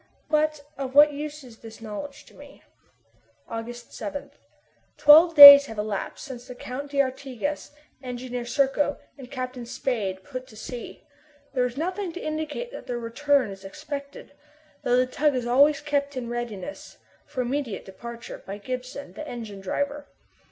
But of what use is this knowledge to me? August 7. Twelve days have elapsed since the Count d'Artigas, Engineer Serko, and Captain Spade put to sea. There is nothing to indicate that their return is expected, though the tug is always kept in readiness for immediate departure by Gibson, the engine driver.